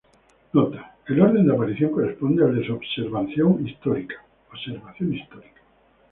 Nota: el orden de aparición corresponde al de su observación histórica.